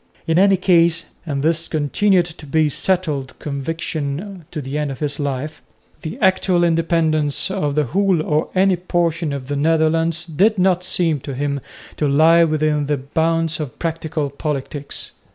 In any case and this continued to be his settled conviction to the end of his life the actual independence of the whole or any portion of the Netherlands did not seem to him to lie within the bounds of practical politics.